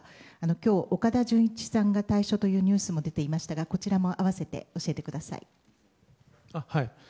今日、岡田准一さんが退所というニュースも出ていましたがこちらも併せて教えてください。